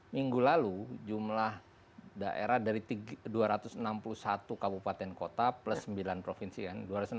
minggu lalu jumlah daerah dari dua ratus enam puluh satu kabupaten kota plus sembilan provinsi kan